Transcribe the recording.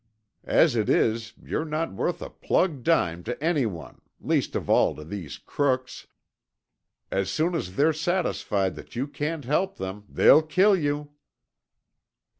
As it is you're not worth a plugged dime to anyone, least of all to these crooks. As soon as they're satisfied that you can't help them, they'll kill you."